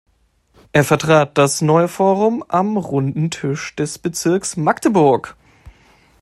Er vertrat das Neue Forum am Runden Tisch des Bezirks Magdeburg.